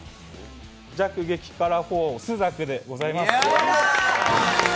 弱激辛フォー・朱雀でございます。